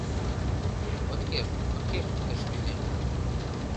— От керт, от керт тыш кӱзен